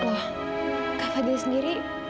loh kak fadiyah sendiri